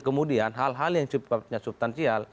kemudian hal hal yang sepertinya substansial